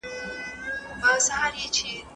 سر رګونه بند شي، ناروغ فلجيږي.